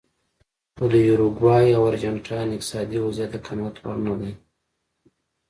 خو د یوروګوای او ارجنټاین اقتصادي وضعیت د قناعت وړ نه دی.